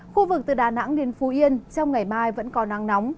khu vực từ đà nẵng đến phú yên trong ngày mai vẫn có nắng nóng